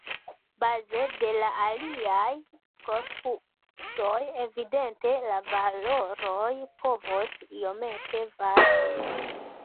Baze de aliaj korpusoj evidente la valoroj povos iomete varii.